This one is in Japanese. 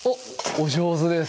お上手です